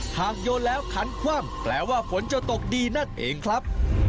โยนแล้วขันคว่ำแปลว่าฝนจะตกดีนั่นเองครับ